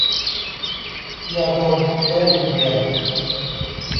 ยาดม แก้วิงเวียน